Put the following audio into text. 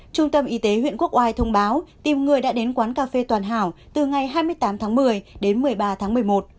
trung tâm y tế huyện quốc oai thông báo tìm người đã đến quán cà phê toàn hảo từ ngày hai mươi tám tháng một mươi đến một mươi ba tháng một mươi một